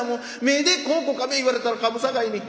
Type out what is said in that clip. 『目ぇでこうこかめ』言われたらかむさかいに」。